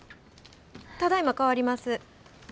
ただいま代わります。